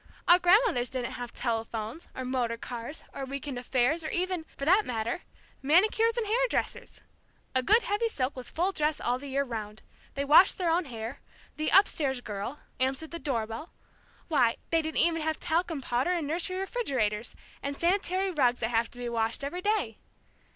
Our grandmothers didn't have telephones, or motor cars, or week end affairs, or even for that matter manicures and hair dressers! A good heavy silk was full dress all the year 'round. They washed their own hair. The 'up stairs girl' answered the doorbell, why, they didn't even have talcum powder and nursery refrigerators, and sanitary rugs that have to be washed every day!